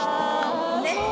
ねっ。